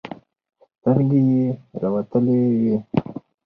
سترګې يې راوتلې وې.